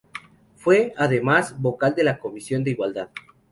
Fue, además, vocal de la comisión de Igualdad.